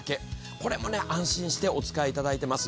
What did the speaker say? これも安心してお使いいただいています。